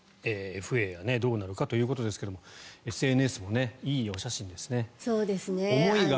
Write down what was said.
ＦＡがどうなるかということですがＳＮＳもいいお写真ですね。